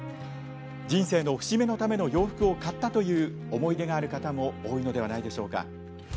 人生の節目のための洋服を買ったという思い出がある方も多いのではないでしょうか。